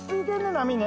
波ね